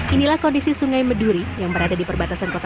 inilah kondisi sungai meduri yang berada di perbatasan kota